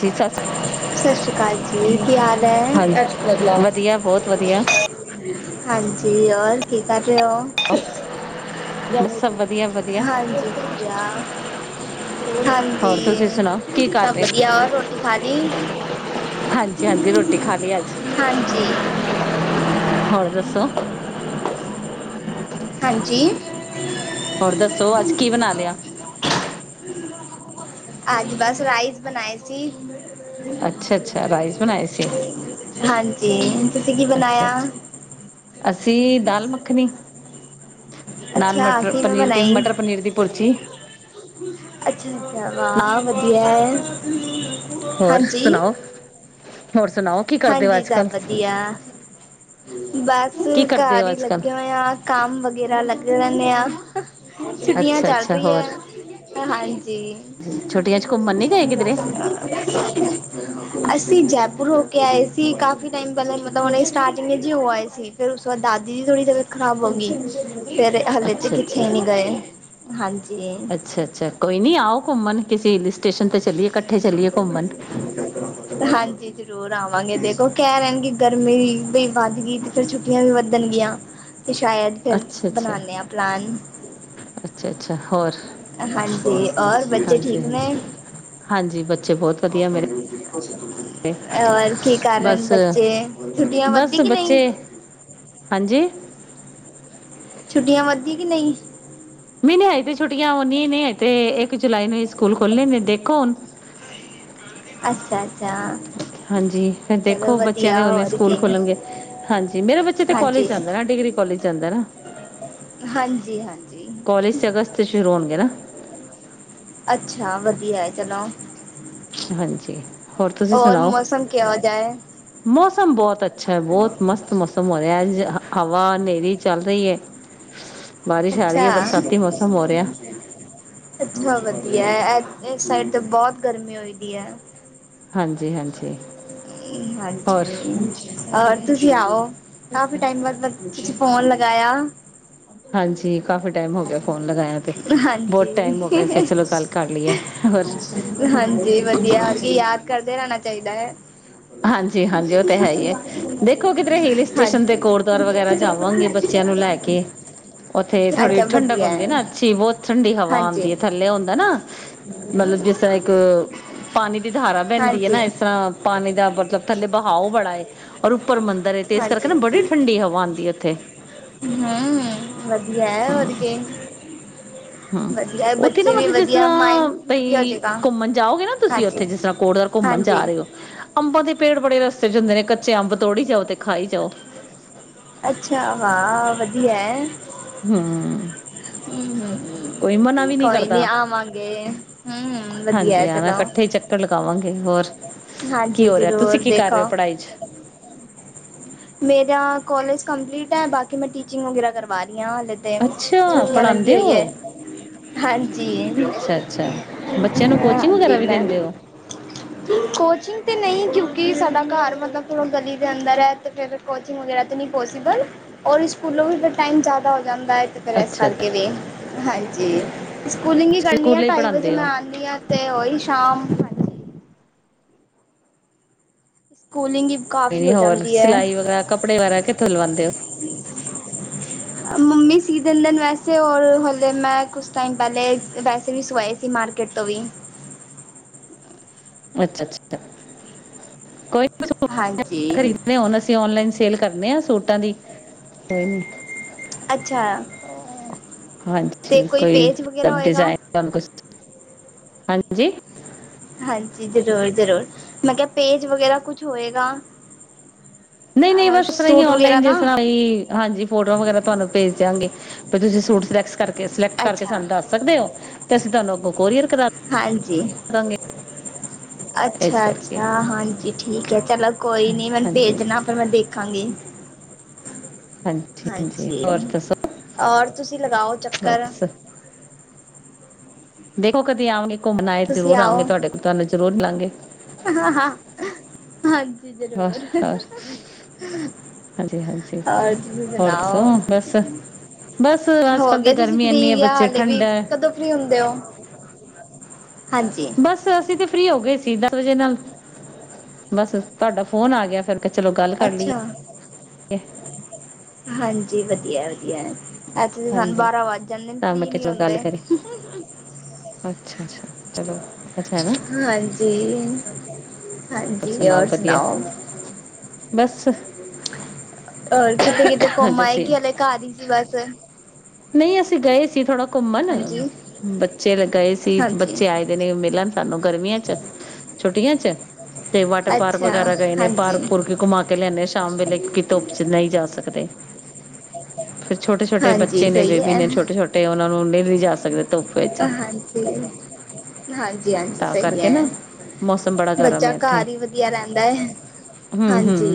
ਜੀ, ਸਤਿ ਸ਼੍ਰੀ ਸਤਿ ਸ਼੍ਰੀ ਅਕਾਲ ਜੀ ਕੀ ਹਾਲ ਹੈ ਹਾਂਜੀ, ਵਧੀਆ ਬਹੁਤ ਵਧੀਆ ਹਾਂਜੀ ਹੋਰ ਕੀ ਕਰ ਰਹੇ ਹੋ ਬੱਸ ਸਬ ਵਧੀਆ ਵਧੀਆ ਹਾਂਜੀ ਵਧੀਆ ਹੋਰ ਹਾਂਜੀ ਤੁਸੀਂ ਸੁਣਾਓ ਕੀ ਕਰ ਸਭ ਰਹੇ ਹੋ ਵਧੀਆ ਹੋਰ ਰੋਟੀ ਖਾ ਲਈ ਹਾਂਜੀ ਹਾਂਜੀ ਰੋਟੀ ਖਾ ਲਈ ਅੱਜ ਹਾਂਜੀ ਹੋਰ ਦੱਸੋ ਹਾਂਜੀ ਹੋਰ ਦੱਸੋ ਅੱਜ ਕੀ ਬਣਾ ਲਿਆ ਅੱਜੀ ਬਸ ਰਾਈਸ ਬਣਾਏ ਸੀ। ਹ ਅੱਛਾ-ਅੱਛਾ ਰਾਈਸ ਬਣਾਏ ਸੀ ਹਾਂਜੀ ਤੁਸੀਂ ਕੀ ਬਣਾਇਆ ਅੱਛਾ-ਅੱਛਾ ਅਸੀਂ ਦਾਲ ਮੱਖਣੀ ਨਾਨ ਅੱਛਾ ਮਟਰ ਕੀ ਪਨੀਰ ਦੀ ਮਟਰ ਪਨੀਰ ਦੀ ਪੁਰਜੇ ਅੱਛਾ-ਅੱਛਾ ਵਾਹ ਵਧੀਆ ਹੈ ਹੋਰ ਹਾਂਜੀ ਸੁਣਾਓ, ਹੋਰ ਸੁਣਾਓ ਕੀ ਕਰਦੇ ਹੋ ਹਾਂਜੀ ਅੱਜ ਸਭ ਕੱਲ ਵਧੀਆ ਬਸ ਕੀ ਕਰਦੇ ਘਰ ਹੋ ਹੀ ਅੱਜ ਕੱਲ ਲੱਗੇ ਹੋਏ ਆ ਕੰਮ ਵਗੈਰਾ ਲੱਗ ਰਦੇ ਆ ਛੁਟੀਆਂ ਅੱਛਾ ਚੱਲ ਅੱਛਾ ਰਹੀ ਹੋਰ ਹੈ। ਹਾਂਜੀ ਛੁੱਟੀਆਂ ਚ ਘੁੰਮਣ ਨੀ ਗਏ ਕਿਧਰੇ ਅਸੀਂ ਜੈਪੁਰ ਆਏ ਸੀ ਕਾਫੀ ਟਾਈਮ ਪਹਿਲਾਂ ਮਤਲਬ ਹੁਣੇ ਸਟਾਰਟਿੰਗ ਚ ਹੀ ਹੋ ਆਏ ਸੀ ਫਿਰ ਉਸ ਤੋਂ ਬਾਅਦ ਦਾਦੀ ਜੀ ਥੋੜੀ ਜਿ ਖ਼ਰਾਬ ਹੋ ਗਈ ਫੇਰ ਹਲੇੇ ਤੇ ਅੱਛਾ ਅੱਛਾ ਕਿੱਥੇ ਨੀ ਗਏ ਹਾਂਜੀ ਅੱਛਾ-ਅੱਛਾ ਕੋ ਨਹੀਂ ਆਓ ਘੁੰਮਣ ਕਿਸੇ ਹ ਸਟੇਸ਼ਨ ' ਚੱਲਏ ਇਕੱਠੇ ਚਲਏ ਘੁੰਮਣ ਹਾਂਜੀ ਜਰੂਰ ਆਵਾਂਗੇ ਦੇਖੋ ਕਹਿ ਰਹਿਣਗੇ ਗਰਮੀ ਵੀਈ ਵੱਧ ਗਈ ਤੇ ਫਿਰਰ ਛੁ ਵੀ ਵੱਧਣਗੀਆਂ ਤੇ ਸ਼ਾਇਦ ਫਿਰ ਬਣਾਦੇ ਆ ਪਲਾਨ ਅੱਛਾ-ਅੱਛਾ ਹੋਰ ਹਾਂਜੀ ਹੋਰ ਬੱਚੇ ਹਾਂਜੀ ਠੀਕ ਨੇ ਹਾਂਜੀ ਹਾਂਜੀ ਬੱਚੇ ਬਹੁਤ ਵਧੀਆ ਮੇਰੇ ਹੋਰ ਕੀ ਕਾਰਨ ਬਸ ਬੱਚੇ ਛੁੱਟੀਆਂ ਵੱਧਦੀ ਬਸ ਕਿ ਬੱਚੇ ਨਹੀਂ ਹਾਂਜੀ ਛੁੱਟੀਆਂ ਵੱਧਦੀ ਕਿ ਨਹੀਂ ਮ ਨਹੀਂ ਅਜ ਤੇ ਛੁੱਟੀਆਂ ਆਉਦੀ ਨਹੀਂ ਅ ਤੇ ਇੱਕ ਜੁਲਾਈ ਨੂੰ ਹੀ ਸਕੂਲ ਖੋਲਣੇ ਨੇ ਦੇਖੋ ਹੁਣ [unintelligible] [inaudible] ਅੱਛਾ ਅੱਛਾ ਹਾਂਜੀ ਫਿਰ ਚਲੋ ਦੇਖੋ ਬੱਚਿਆਂ ਦੇ ਵਧੀਆ ਉਵੇਂ ਹੋਰ ਸਕੂਲ ਕੀ ਖੋਲ੍ਹਣਗੇ ਹਾਂਜੀ ਮੇਰਾ ਬੱਚੇ ਤੇ ਕੋਾਲਜ ਹਾਂਜੀ ਜਾਂਦਾ ਨਾ ਡਿਗਰੀ ਕੋਾਲਜ ਜਾਂਦਾ ਨਾ ਹਾਂਜੀ ਹਾਂਜੀ ਕੋਾਲਜ ' ਅਗਸਤ ਸ਼ੁਰੂ ਹੋਣਗੇ ਨਾ ਅੱਛਾ ਵਧੀਆ ਹੈ ਚਲੋ ਹਾਂਜੀ ਤੁਸੀਂ ਹੋਰ ਸੁਣਾਓ ਮੌਸਮ ਕਿਆ ਜਾਏ ਹੈ ਮੌਸਮ ਬਹੁਤ ਅੱਛਾ ਹੈ ਬਹੁਤ ਮਸਤ ਮੌਸਮ ਹੋ ਰਿਹਾ ਅੱਜ ਹਵਾ ਹਨੇਰੀ ਚੱਲ ਰਹੀ ਹੈ ਬਾਰਿਸ਼ ਆ ਰਹੀ ਹੈ ਅੱਛਾ ਬਰਸਾਤੀ ਮੌਸਮ ਹੋ ਰਿਹਾ ਅੱਛਾ ਵਧੀਆ ਇਸ ਸਾਈਡ ਤੇ ਬਹੁਤ ਗਰਮੀ ਹੋ ਦੀ ਹੈ ਹਾਂਜੀ ਹਾਂਜੀ ਹੋਰ ਹਾਂਜੀ ਰ ਤੁਸੀਂ ਆਓ ਕਾਫੀ ਟਾਈਮ ਬਾਦ ਲ ਤੁਛ ਫੋਨ ਲਗਾਇਆ ਹਾਂਜੀ ਕਾਫੀ ਟਾਈਮ ਹੋ ਗਿਆ ਫੋਨ ਲਗਾਇਆ ਤੇ ਹਾਂਜੀ ਬਹੁਤ ਟਾਈਮ ਹੋ ਗਿਆ ਫਿਰ ਚਲੋ ਗੱਲ ਕਰ ਲਈਏ ਹੋਰ ਹਾਂਜੀ ਵਧੀਆ ਅਸੀਂ ਯਾਦ ਕਰਦੇ ਰਹਿਣਾ ਚਾਹੀਦਾ ਹੈ। ਹਾਂਜੀ-ਹਾਂਜੀ ਉਹ ਤਾਂ ਹੈ ਹੀ ਹੈ ਦੇਖੋ ਕਿਧਰੇ ਹਲ ਸਟੇਸ਼ਨ ਤੇ ਹਾਂਜੀ ਕੋੜ ਦੁਆਰ ਵਗੈਰਾ ਜਾਵਾਂਗੇ ਬੱਚਿਆਂ ਨੂੰ ਲੈ ਕੇ ਕੇ [inaudible] ਉੱਥੇ ਥੋੜ੍ਹੀ ਅੱਛਾ ਠੰਡਕ ਵਧੀਆ ਹੁੰਦੀ ਹੈ ਨਾ ਅੱਛੀ ਬਹੁਤ ਠੰਡੀ ਹਵਾ ਹਾਂਜੀ ਆਉਂਦੀ ਹੈ ਥੱਲੇ ਹੁੰਦਾ ਨਾ ਮਤਲਬ ਜਿਸ ਤਰ੍ਹਾਂ ਇੱਕ ਪਾਣੀ ਦੀ ਧਾਰਾ ਪੈਂਦੀ ਹੈ ਹਾਂਜੀ ਨਾ ਇਸ ਇਸ ਤਰ੍ਹਾਂ ਪਾਣੀ ਦਾ ਬੱਤਕ ਥੱਲੇ ਬਹਾਓ ਬੜਾ ਉੱਪਰ ਮੰਦਰ ਤੇ ਇਸ ਕਰਕੇ ਹਾਂਜੀ ਨਾ ਬੜੀ ਠੰਡੀ ਹਵਾ ਆਉਂਦੀ ਹੈ ਇੱਥੇ ਹੂ ਵਧੀਆ ਹੈ ਹੋਰ ਕਿ ਹੂ ਉੱਥੇ ਨਾ ਮਤਲਬ ਜਿਸ ਤਰ੍ਹਾਂ ਮਾਇੰਡ ਪਾਈ ਵਧੀਆ ਹੋ ਜਾਏਗਾ ਘੁੰਮਣ ਜਾਓਗੇ ਨਾ ਤੁਸੀਂ ਹਾਂਜੀ ਉੱਥੇ ਜਿਸ ਤਰ੍ਹਾਂ ਕੋੜ ਘੁੰਮਣ ਹਾਂਜੀ ਜਾ ਰਹੇ ਹੋ ਅੰਬਾਂ ਦੇ ਪੇੜ ਬੜੇ ਰਸਤੇ ਚ ਹੁੰਦੇ ਨੇ ਕੱਚੇ ਅੰਬ ਤੋੜੀ ਜਾਓ ਤੇ ਖਾਈ ਜਾਓ ਅੱਛਾ ਹਾਂ ਵਧੀਆ ਹੈ ਹੂ,,, ਹੂ ਕੋਈ ਨੀ ਕਰਦਾ। ਆਵਾਂਗੇ ਹੂ ਹਾਂਜੀ ਵਧੀਆ ਹਾਂ, ਚਲੋ ਇਕੱਠੇ ਹੀ ਚੱਕਰ ਲਗਾਵਾਂਗੇ ਹੋਰ ਕੀ ਹਾਂਜੀ ਹੋ ਰਿਹਾ ਜ਼ਰੂਰ ਤੁਸੀਂ ਕੀ ਕਰ ਦੇਖੋ ਰਹੇ ਹੋ ਪੜ੍ਹਾਈ ਚ ਮੇਰਾ ਕੋਾਲਜ ਕੰਪਲੀਟ ਹੈ ਬਾਕੀ ਮੈਂ ਟੀਚਿੰਗ ਵਗੈਰਾ ਕਰਵਾ ਰਹੀ ਹਾਂ ਹਲੇ ਤੇ ਅੱਛਾ, ਛੁੱਟੀਆਂ ਲੱਗੀ ਪੜ੍ਹਾਂਦੇ ਹੋਈ ਹੋ? ਹੈ ਹਾਂਜੀ ਅੱਛਾ ਅੱਛਾ ਬੱਚਿਆਂ ਨੂੰ ਕੋਚਿੰਗ ਹਾਂਜੀ ਵਗੈਰਾ ਵੀ ਮੈਂ ਦਿੰਦੇ ਹੋ ਕੋਚਿੰਗ ਤੇ ਨਹੀਂ ਕਿਉਂਕਿ ਸਾਡਾ ਘਰ ਮਤਲਬ ਚਲੋ ਗਲੀ ਦੇ ਅੰਦਰ ਹੈ ਫਿਰ ਕੋਚਿੰਗ ਵਗੈਰਾ ਤਾਂ ਨਹੀਂ ਪੋਸੀਬਲ ਔਰ ਸਕੂਲੋਂ ਵੀ ਟਾਈਮ ਜ਼ਿਆਦਾ ਹੋ ਜਾਂਦਾ ਹੈ ਫਿਰ ਇਸ ਅੱਛਾ, ਅੱਛਾ ਕਰਕੇ ਹਾਂਜੀ ਸਕੂਲਿੰਗ ਹੀ ਤੁਸੀਂ ਕਰਨੀ ਆ ਸਕੂਲੇ ਹੀ ਢਾਈ ਵਜੇ ਪੜ੍ਹਾਂਦੇ ਹੋ? ਮੈਂ ਆਉਂਦੀ ਆ ਤੇ ਉਹੀ ਸ਼ਾਮ ਹਾਂਜੀ ਕੂਲਿੰਗ ਕੋਈ ਨੀ ਹੋਰ ਸਿਲਾਈ ਵਗੈਰਾ ਕੱਪੜੇ ਵਗਰਾ ਕਿੱਥੋਂ ਲਵਾਉਂਦੇ ਹੋ [inaudible] ਮੰਮੀ ਸੀ ਦਿੰਦੇ ਵੈਸੇ ਔਰ ਹਲੇ ਮੈਂ ਕੁਛ ਟਾਈਮ ਪਹਿਲੇ ਵੈਸੇ ਵੀ ਸਵਾਏ ਸੀ ਕੀ ਮਾਰਕੀਟ ਤੋਂ ਵੀ ਅੱਛਾ ਅੱਛਾ ਕੋਈ ਨ ਸੂਟ ਹਾਂਜੀ ਖਰੀਦਣੇ ਹੋ ਅਸੀਂ ਤੇ ਔਨਲਾਈਨ ਸੇਲ ਕਰਨੇ ਆ ਸੂਟਾਂ ਦੀ ਨਹੀਂ ਅੱਛਾ ਤੇ ਹਾਂਜੀ ਕੋਈ ਪੇਜ ਵਗੈਰਾ ਹੋਏਗਾ ਡਿਜ਼ਾਇਨ ਹਾਂਜੀ ਹਾਂਜੀ ਜ਼ਰੂਰ ਜ਼ਰੂਰ ਮੈਂ ਕਿਹਾ ਪੇਜ ਵਗੈਰਾ ਕੁਛ ਹੋਏਗਾ ਨਹੀਂ ਨਹੀਂ ਅ ਬਸ ਇਸ ਤਰ੍ਹਾਂ ਹੀ ਸੂਟ ਵਗੈਰਾ ਔਨਲਾਈਨ ਦਾ ਜਿਸ ਤਰ੍ਹਾਂ ਹਾਂਜੀ ਫੋਟੋਆਂ ਵਗੈਰਾ ਤੁਹਾਨੂੰ ਭੇਜ ਦਵਗੇ ਵੀ ਤੁਸੀਂ ਸੂਟ ਸਿਲੈਕਸ ਕਰਕੇ ਸਿਲੈਕਟ ਕਰਕੇ ਅੱਛਾ ਸਾਨੂੰ ਦੱਸ ਸਕਦੇ ਹੋ ਤੇ ਅਸੀਂ ਤੁਹਾਨੂੰ ਅੱਗੋਂ ਕੋਰੀਅਰ ਕਰਾ ਹਾਂਜੀ ਦਾਂਗੇ ਇਸ ਅੱਛਾ ਕਰਕੇ ਅੱਛਾ ਹਾਂਜੀ ਠੀਕ ਹੈ ਚਲੋ ਕੋਈ ਨੀ ਮੈਨੂੰ ਹਾਂਜੀ ਭੇਜਣਾ ਫਿਰ ਮੈਂ ਦੇਖਾਂਗੀ ਹਾਂਜੀ ਹਾਂਜੀ ਹੋਰ ਦੱਸੋ ਔਰ ਤੁਸੀਂ ਲਗਾਓ ਚੱਕਰ, ਬਸ ਦੇਖੋ ਕਦੇ ਆਵਾਂਗੇ, ਘੁੰਮਣ ਆਏ ਤੁਸੀਂ ਜ਼ਰੂਰ ਆਵਾਂਗੇ, ਤੁਹਾਡੇ ਕੋਲ ਤੁਹਾਨੂੰ ਜ਼ਰੂਰ ਮਿਲਾਂਗੇ। ਹਾਂ-ਹਾਂ, ਹਾਂਜੀ ਹੋਰ ਜ਼ਰੂਰ। ਹੋਰ ਹਾਂਜੀ ਹਾਂਜੀ ਰ ਤੁਸੀ ਹੋਰ ਦੱਸੋ ਸੁਣਾਓ? ਬਸ ਬਸ [inaudible] ਅੱਜ ਕੱਲ੍ਹ ਤੇ ਹੋਗੇ ਤੁਸੀਂ ਗਰਮੀ ਇੰਨੀ ਹੈ ਫਰੀ ਆ ਬੱਚੇ ਹਾਲੇ ਵੀ ਠੰਡਾ ਹੈ ਕਦੋਂ ਹੁੰਦੇ ਹੋ ਹਾਂਜੀ, ਬਸ ਅਸੀਂ ਤੇ ਫ੍ਰਰੀ ਹੋ ਗਏ ਸੀ ਦਸ ਵਜੇ ਨਾਲ ਬਸ ਤੁਹਾਡਾ ਫੋਨ ਆ ਗਿਆ ਫਿਰ ਚਲੋ ਗੱਲ ਕਰ ਲਈਏ। ਅੱਛਾ ਹਾਂਜੀ, ਵਧੀਆ-ਵਧੀਆ। ਐਚੁਲੀ ਸਾਨੂੰ ਹਾਂਜੀ ਬਾਰਾਂ ਵੱਜ ਜਾਂਦੇ ਨੇ ਤਾਂ ਮੈਂ ਫਰੀ ਕਿਹਾ ਨਹੀਂ ਹੁੰਦੇ। ਅੱਛਾ-ਅੱਛਾ, ਚਲੋ ਅੱਛਾ ਹੈਨਾ। ਦੇ ਹਾਂਜੀ ਹੋਰ ਸੁਣਾਓ ਬਸ ਹੋਰ ਕਿਤੇ ਕਿਤੇ ਘੁੰਮ ਅੱਜ ਅਸੀਂ ਆਏਗੀ ਹਲੇ ਘਰ ਹੀ ਸੀ ਬਸ ਨਹੀਂ ਅਸੀਂ ਗਏ ਸੀ ਥੋੜਾ ਘੁੰਮਣ ਹਾਂਜੀ, ਬੱਚੇ ਗਏ ਸੀ ਹਾਂਜੀ। ਬੱਚੇ ਆਏ ਦਿਨ ਮਿਲਣ ਸਾਨੂੰ ਗਰਮੀਆਂ ਚ ਛੁੱਟੀਆਂ ਚ, ਤੇ ਵਾਟਰ ਪਾਰਕ ਅੱਛਾ, ਵਗੈਰਾ ਗਏ, ਨੇ ਹਾਂਜੀ, ਪਾਰਕ ਪੁਰਕ ਘੁੰਮਾ ਕੇ ਲੈਂਦੇ ਸ਼ਾਮ ਵੇਲੇ ਕਿਉਂਕਿ ਧੁੱਪ ਚ ਨਹੀਂ ਜਾ ਸਕਦੇ। ਫੇਰ ਛੋਟੇ-ਛੋਟੇ ਹਾਂਜੀ ਬੱਚੇ ਨੇ ਸਹੀ ਬੇਬੀ ਹੈ, ਨੇ ਛੋਟੇ-ਛੋਟੇ ਉਹਨਾ ਨੂੰ ਨਿਲ [inaudible] ਜਾ ਸਕਦੇ। ਧੁੱਪ ਵਿੱਚ ਹਾਂਜੀ ਹਾਂਜੀ-ਹਾਂਜੀ ਤਾਂ ਸਹੀ ਕਰਕੇ ਹੈ ਨਾ ਮੌਸਮ ਬੜਾ ਗਰਮ ਬੱਚਾ ਹੈ ਇੱਥੇ ਘਰ ਹੀ ਵਧੀਆ ਰਹਿੰਦਾ ਹੈ। ਹੂੰ- ਹੂੰ ਹਾਂਜੀ।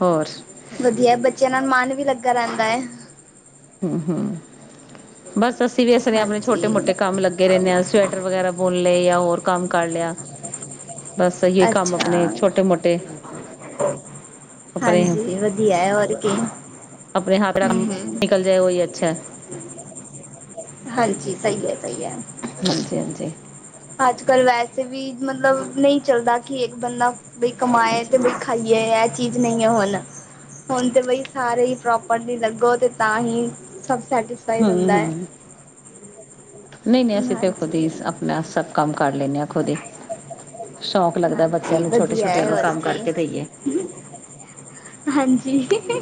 ਹੋਰ? [inaudible] ਵਧੀਆ ਬੱਚਿਆਂ ਨਾਲ ਮਨ ਵੀ ਲੱਗਾ ਰਹਿੰਦਾ ਹੈ। ਹੂੰ-ਹੂੰ ਬਸ ਅਸੀਂ ਵੀ ਇਸ ਆਪਣੇ ਹਾਂਜੀ, ਛੋਟੇ ਮੋਟੇ ਕੰਮ ਲੱਗੇ ਰਹਿੰਦੇ ਹਾਂ ਸ ਟਰ ਵਗੈਰਾ ਬੁਣ ਲਏ ਜਾਂ ਹੋਰ ਕੰਮ ਕਰ ਲਿਆ। ਬਸ ਇਹੀ ਕੰਮ ਅੱਛਾ। ਆਪਣੇ ਛੋਟੇ ਮੋਟੇ ਹਾਂਜੀ ਵਧੀਆ ਹੈ ਹੋਰ ਕਿ। ਆਪਣੇ ਹਥਰਾ [inaudible] ਨਿਕਲ ਜਾਏ ਉਹੀ ਅੱਛਾ ਹੈ। ਹਾਂਜੀ ਸਹੀ ਹੈ ਸਹੀ ਹੈ। ਹਾਂਜੀ-ਹਾਂਜੀ। ਅੱ -ਕੱਲ ਵੈਸੇ ਵੀ ਮਤਲਬ ਨਹੀਂ ਚੱਲਦਾ ਕਿ ਇੱਕ ਬੰਦਾ ਬਈ ਕਮਾਏ ਤੇ ਹਾਂਜੀ ਬਈ ਖਾਈ ਇਹ ਇਹ [inaudible] ਚੀਜ਼ ਨਹੀਂ ਹੀ ਹੈ ਹੁਨ ਹੁਣ ਤੇ ਬਈ ਸਾਰੇ ਹੀ ਪ੍ਰੋਪਰਲੀ ਲੱਗੋ ਤੇ ਤਾਂ ਹੀ ਸਭ ਸੈਟ ਹਾਂ-ਹਾਂ- ਨਹੀਂ-ਨਹੀਂ ਅਸੀਂ ਤੇ ਖੁਦ ਹਾਂਜੀ ਹੀ ਆਪਣਾ ਸਭ ਕੰਮ ਕਰ ਲੈਂਦੇ ਹਾਂ। ਖੋ ਦੇ [inaudible] ਸ਼ੌਕ ਲੱਗਦ, ਲ ਬੱਚਿਆਂ ਹਾਂਜੀ ਨੂੰ ਛੋਟੇ ਵਧੀਆ ਛੋਟਿਆਂ ਹੈ ਨੂੰ ਹੋਰ ਕੰਮ ਕੀ ਕਰਕੇ ਦੇਈਏ। ਹਾਂਜੀ ਹਿ ਹਿ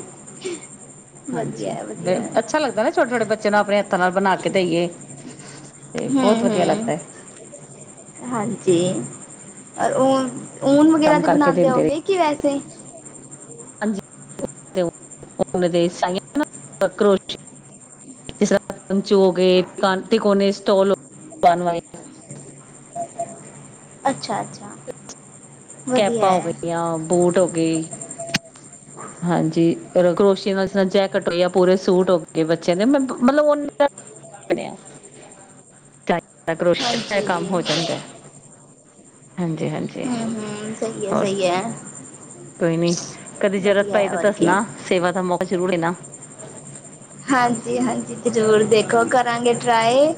ਹਾਂਜੀ ਵੀ ਅੱਛਾ ਲੱਗਦਾ ਨਾ ਛੋਟੇ-ਛੋਟੇ ਬੱਚਿਆਂ ਨੂੰ ਆਪਣੇ ਹੱਥਾਂ ਨਾਲ ਬਣਾ ਕੇ ਦੇਈਏ। ਤੇ ਬਹੁਤ ਵਧੀਆ ਹੂੰ-ਹੂੰ ਲੱਗਦਾ ਹੈ ਹਾਂਜੀ ਉਹ ਊਨ ਵਗੈਰਾ ਕੰਮ ਤੇ ਕਰਕੇ ਬਦਾਂਗੇ ਦਿੰਦੇ ਹੋਗੇ ਕਿ ਵੈਸੇ ਹੀ? ਅਨਾਂ ਦੇੋਸ਼, [inaudible] ਜਿਸ ਤਰ੍ਹਾਂ ਪੰਚੂ ਹੋ ਗਏ ਤੇਨੇ ਸਟਲ ਬਣਵਾਏ [inaudible] ਅੱਛਾ-ਅੱਛਾ ਕੈਪਾਂ ਹੋ ਗਈਆਂ [inaudible] ਬੂਟ ਹੋ ਗਈ ਹਾਂਜੀ ਕਰੋਸ਼ੀ ਨਾਲ ਜ ਨਾਲ ਜੈਕਟ ਹੋ ਗਿਆ ਪੂਰੇ ਸੂਟ ਹੋ ਗਏ ਬੱਚਿਆਂ ਦੇ ਮੈਂ ਮਤਲਬ ਉਹ ਦਾ ਬ [inaudible] [unintelligible] ਕਰੋਸ਼ੀਏ ਦਾ ਕੰਮ ਹਾਂਜੀ ਹੋ ਜਾਂਦਾ, ਹਾਂਜੀ-ਹਾਂਜੀ। ਹੂੰ ਸਹੀ ਹੈ ਸਹੀ- ਕੋਈ ਨੀ ਕਦੇ ਜ਼ਰੂਰਤ ਵਧੀਆ ਪਾਈ ਹੈ ਤੇ ਹੋਰ ਕੀ ਦੱਸਣਾ ਸੇਵਾ ਦਾ ਮੌਕਾ ਜ਼ਰੂਰ ਦੇਣਾ। ਹਾਂਜੀ - ਹਾਂਜੀ ਜ਼ਰੂਰ ਦੇਖੋ ਕਰਾਂਗੇ ਟਰਾਏ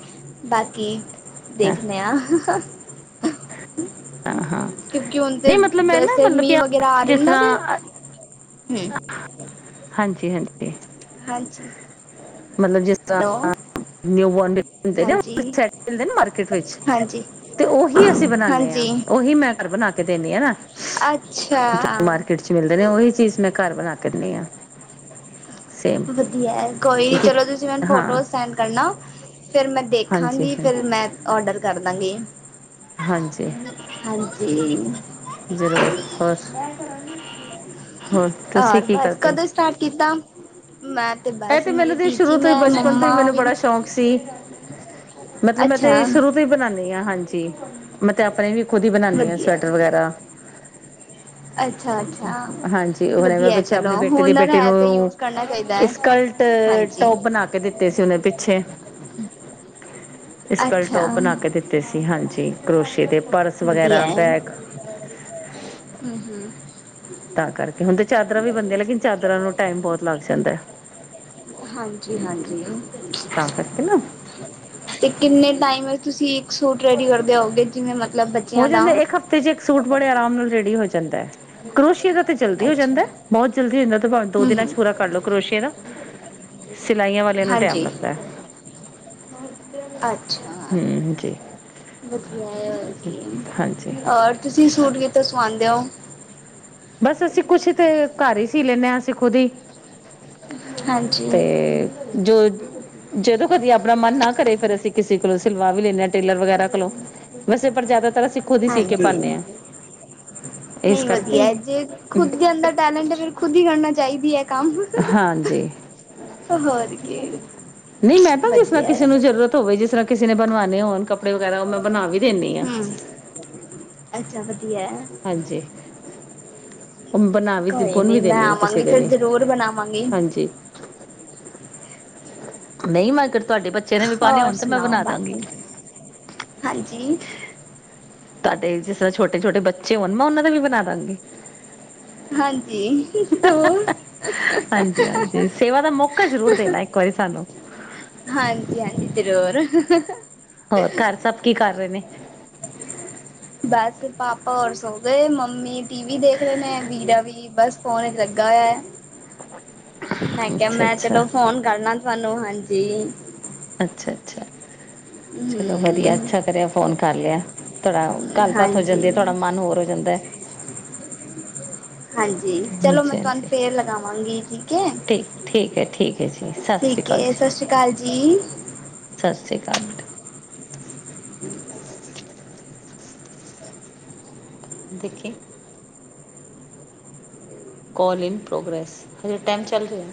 ਬਾਕੀ ਹਾਂ ਦੇਖਨੇ ਆ। ਹਾਂ, ਹਾਂ ਕਿਉਂਕਿ ਹੁਣ ਤੇ ਨਹੀਂ ਮਤਲਬ ਮੈਂ ਨਾ ਵੈਸੇ ਮਤਲਬ ਕਿ ਮੀਂਹ ਵਗੈਰਾ ਆ ਰਹੇ ਨਾ ਤੇ ਹ। ਹਾਂਜੀ-ਹਾਂਜੀ। ਹਾਂਜੀ। ਮਲਬ ਜਿਸ ਹੈਲੋ ਤਰਾਂ ਨਿਊ ਬੋਰਨ ਬੇਬੀ ਹੁੰਦੇ ਨਾ ਉਹ ਹਾਂਜੀ ਸੈਟ ਮਿਲਦੇ ਨਾ ਮਾਰਕੀਟ ਵਿੱਚ। ਹਾਂਜੀ ਤੇ ਉਹੀ ਅਸੀਂ ਬਣਾਨੇ ਆ ਹਾਂਜੀ ਉਹੀ ਮੈਂ ਫੇਰ ਬਨਾ ਕੇ ਦੇਨੀ ਆ ਨਾ। ਅੱਛਾ [inaudible] ਮਾਰਕੀਟ ਚ ਮਿਲਦੇ ਨੇ ਉਹੀ ਚੀਜ਼ ਮੈਂ ਘਰ ਬਣਾ ਕਹਿੰਣੇ ਆ ਸੇ। [inaudible] ਵਧੀਆ ਕੋਈ ਚਲੋ ਤੁਸੀਂ ਮੈਨੂੰ ਹਾਂ ਫੋਟੋਸ ਸੈਂਡ ਕਰਨਾ ਫਿਰ ਮੈਂ ਹਾਂਜੀ ਦੇਖਾਂਗੀ ਹਾਂ ਫਿਰ ਮੈਂ ਔਡਰ ਕਰਦਾਂਗੇ ਹਾਂਜੀ ਜ਼ਰੂਰ ਹੋਰ ਤੁਸੀਂ ਹੋਰ ਕੀ ਬਸ ਕਰਦੇ ਹੋ ਕਦੋਂ ਸਟਾਰਟ ਕੀਤਾ ਮੈਂ ਇਹ ਬਸ ਤੇ ਮੇਰੀ ਮੈਨੂੰ ਤੇ ਸ਼ੁਰੂ ਟੀਚਿੰਗ ਤੋਂ ਹੀ ਹੈ ਬਚਪਨ ਤੋਂ ਹੀ ਮੰਮਾ ਮੈਨੂੰ ਵੀ ਬੜਾ ਸ਼ੌਕ ਸੀ। ਮਤਲਬ ਮੈਂ ਤੇ ਅੱਛਾ ਸ਼ੁਰੂ ਤੋਂ ਹੀ ਬਣਾਨੀ ਹਾਂ ਹਾਂਜੀ ਮੈਂ ਤੇ ਆਪਣੇ ਵੀ ਖੁਦ ਹੀ ਬਣਾਉਦੀ ਹਾਂ ਵਧੀਆ ਸਵੈਟਰ ਵਗੈਰਾ। ਅੱਛਾ-ਅੱਛਾ ਹਾਂਜੀ ਉਹਨੇ ਮੈਂ ਵਧੀਆ ਹੈ ਪਿੱਛੇ ਚਲੋ ਆਪਣੀ ਹੁਨਰ ਹੈ ਤੇ ਯੂਜ ਕਰਨਾ ਚਾਹੀਦਾ ਹੈ। ਕਲਟ ਹਾਂਜੀ ਟੋਪ ਬਣਾ ਕੇ ਦਿੱਤੇ ਸੀ ਉਹਨੇ ਪਿੱਛੇ। ਸਕਲ ਅੱਛਾ ਟੋਪ ਬਣਾ ਕੇ ਦਿੱਤੇ ਸੀ ਹਾਂਜੀ ਕਰੋਸ਼ੀਏ ਦੇ ਪਰਸ ਵਗੈਰਾ ਬੈਗ ਹਾਜੀ ਤਾਂ ਕਰਕੇ ਹੁਣ ਤੇ ਚਾਦਰਾਂ ਵੀ ਬਣਦੀ ਲੇਕਿਨ ਚਾਦਰਾਂ ਨੂੰ ਟਾਈਮ ਬਹੁਤ ਲੱਗ ਜਾਂਦਾ। ਹਾਂਜੀ-ਹਾਂਜੀ। ਤਾਂ ਕਰਕੇ ਨਾ ਤੇ ਕਿੰਨੇ ਟਾਈਮ ਤੁਸੀਂ ਇੱਕ ਸੂਟ ਰੈਡੀ ਕਰਦੇ ਆਓਗੇ ਜਿਵੇਂ ਮਤਲਬ ਬੱਚਿਆਂ ਦਾ। ਤੇ ਜੇ ਇੱਕ ਸੂਟ ਬੜੇ ਆਰਾਮ ਨਾਲ ਰੈਡੀ ਹੋ ਜਾਂਦਾ ਹੈ ਕਰੋਸ਼ੀਏ ਦਾ ਤੇ ਜਲਦੀ ਹੋ ਅੱਛਾ ਜਾਂਦਾ ਬਹੁਤ ਜਲਦੀ ਹੋ ਜਾਂਦਾ ਤਾਂ ਭਾਵੇ ਦੋ ਹਮ ਦਿਨਾਂ ਚ ਹਮ ਪੂਰਾ ਕਰ ਲਓ ਕਰੋਸ਼ੀਏ ਦਾ। ਸਿਲਾਈਆਂ ਵਾਲਿਆਂ ਨੂੰ ਟੈਮ ਹਾਂਜੀ ਲੱਗਦਾ ਅੱਛਾ ਹਮ ਜੀ। ਵਧੀਆ ਹੈ ਹੋਰ ਕੀ, ਹਾਂਜੀ ਹੋਰ ਤੁਸੀਂ ਸੂਟ ਕਿਤੋ ਸਵਾਦੇ ਹੋ। ਬਸ ਅਸੀਂ ਕੁਛ ਤੇ ਘਰ ਹੀ ਸੀ ਲੈਂਦੇ ਹਾਂ ਅਸੀਂ ਖੁਦ ਹੀ। ਹਾਂਜੀ ਤੇ ਜੋ ਜਦੋਂ ਕਦੀ ਆਪਣਾ ਮਨ ਨਾ ਕਰੇ ਫਿਰ ਅਸੀਂ ਕਿਸੇ ਕੋਲੋਂ ਸਿਲਵਾ ਵੀ ਲੈਂਦੇ ਹਾਂ ਟੇਲਰ ਵਗੈਰਾ ਕੋਲੋਂ। ਵੈਸੇ ਪਰ ਜ਼ਿਆਦਾਤਰ ਅਸੀਂ ਖੁਦ ਹੀ ਸੀ ਕੇ ਹਾਂਜੀ ਪਾਨੇ ਆ ਇਸ ਨਹੀਂ ਕਰਕੇ। ਵਧੀਆ ਜੇ ਖੁਦ ਦੇ ਅੰਦਰ ਟੈਲੈਂਟ ਹੈ ਫੇਰ ਖੁਦ ਹੀ ਕਰਨਾ ਚਾਹੀਦੀ ਹੈ ਕੰਮ। ਹੋਰ ਕੀ ਨਈ ਮੈਂ ਤਾਂ ਜਿਸਰ੍ਹਾਂ ਵਧੀਆ ਕਿਸੇ ਨੂੰ ਹੈ ਜ਼ਰੂਰਤ ਹੋਵੇ ਜਿਸਰਾ ਕਿਸੇ ਨੇ ਬਨਵਾਣੇ ਹੋਣ ਕੱਪੜੇ ਵਗੈਰਾ ਉਹ ਮੈਂ ਬਨਾ ਵੀ ਦਿੰਦੀ ਹਾਂ ਹਮ ਅੱਛਾ ਵਧੀਆ ਐ। ਹਾਂਜੀ। ਬਣਾ ਵੀ ਕੋਈ ਬੁਨ ਨੀ ਵੀ ਮੈਂ ਦਿੰਦੀ ਹਾਂ ਕਿਸੇ ਆਵਾਂਗੀ ਦੇ ਫਿਰ ਵੀ ਜ਼ਰੂਰ ਬਣਾਵਾਂਗੀ ਹਾਂਜੀ। ਨਹੀਂ ਮੈਂ ਅਗਰ ਤੁਹਾਡੇ ਬੱਚੇ ਨੇ ਵੀ ਪਾਉਣੇ ਹੋਰ ਹੋਣ ਤਾਂ ਮੈਂ ਸੁਣਾਓ ਬਣਾ ਦਾਂਗੀ। ਬਾਕੀ ਹਾਂਜੀ। ਤੁਹਾਡੇ ਜਿਸ ਰਾ ਛੋਟੇ-ਛੋਟੇ ਬੱਚੇ ਹੋਣ ਮੈਂ ਉਹਨਾਂ ਦਾ ਵੀ ਬਨਾ ਦਾਂਗੀ। ਹਾਂਜੀ ਜ਼ਰੂਰ ਹਾਂਜੀ-ਹਾਂਜੀ ਸੇਵਾ ਦਾ ਮੌਕਾ ਜ਼ਰੂਰ ਦੇ ਨਾ ਇੱ ਕੋਈ ਸਾਨੂੰ। ਹਾਂਜੀ-ਹਾਂਜੀ ਜਰੂਰ। ਹੋਰ ਘਰ ਸਭ ਕੀ ਕਰ ਰਹੇ ਨੇ। [inaudible] ਬਸ ਪਾਪਾ ਹੋਰ ਸੋ ਗਏ ਮੰਮੀ ਟੀਵੀ ਦੇਖ ਰਹੇ ਨੇ ਵੀਰਾ ਵੀ ਬਸ ਫੋਨ ਵਿੱਚ ਲੱਗਾ ਹੋਇਆ। ਮੈਂ ਕਿਹਾ ਅੱਛਾ ਮੈਂ ਅੱਛਾ ਚਲੋ ਫੋਨ ਕਰਲਾ ਤੁਹਾਨੂੰ ਹਾਂਜੀ। ਅੱਛਾ-ਅੱਛਾ ਚਲੋ ਵਧੀਆ ਹਮ ਅੱਛਾ ਕਰਿਆ ਫੋਨ ਕਰ ਲਿਆ। ਥੋੜਾ ਗੱਲਬਾਤ ਹੋ ਹਾਂਜੀ ਜਾਂਦੀ ਹੈ ਥੋੜਾ ਮਨ ਹੋਰ ਹੋ ਜਾਂਦਾ। ਹਾਂਜੀ ਚਲੋ ਹਾਂਜੀ ਮੈਂ ਤੁਹਾਨੂੰ ਫੇਰ ਲਗਾਵਾਂਗੀ ਠੀਕ ਹੈ। ਠੀ ਠੀਕ ਹੈ, ਠੀਕ ਹੈ ਜੀ। ਸਤਿ ਸ਼੍ਰੀ ਠੀਕ ਅਕਾਲ ਏ ਜੀ ਸਸ ਸ੍ਰੀ ਕਾਲ ਜੀ। ਸਤਿ ਸ਼੍ਰੀ ਅਕਾਲ ਬੇਟਾ [unintelligible] ਦੇਖੀ ਕੋਲ ਇਨ ਪ੍ਰੋਗਰੇਸ ਹਜੇ ਟਾਈਮ ਚੱਲ ਰਿਹਾ